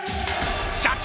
社長！